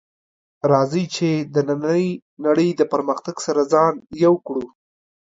راځئ چې د نننۍ نړۍ د پرمختګ سره ځان یو کړو